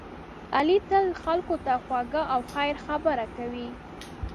علی تل خلکو ته خوږه او خیر خبره کوي.